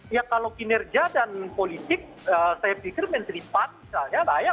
ya kalau kinerja dan politik saya pikir menteri panca